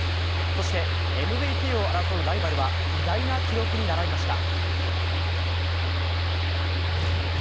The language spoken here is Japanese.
そしてＭＶＰを争うは偉大な記録に並びました。